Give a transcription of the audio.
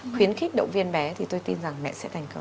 khuyến khích động viên bé thì tôi tin rằng mẹ sẽ thành công